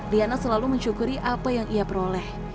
liana selalu mencukuri apa yang ia peroleh